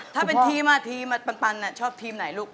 ถ้าเป็นทีมทีมปันชอบทีมไหนลูก